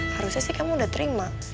harusnya sih kamu udah terima